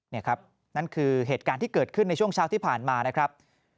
นี่ครับนั่นคือเหตุการณ์ที่เกิดขึ้นในช่วงเช้าที่ผ่านมานะครับ